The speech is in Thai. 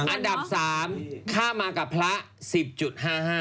อันดับสามค่ามากับพระศาลินาทิแสสิบจุดห้าห้า